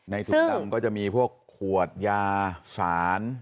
ถุงดำก็จะมีพวกขวดยาสาร